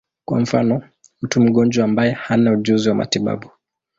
Kwa mfano, mtu mgonjwa ambaye hana ujuzi wa matibabu.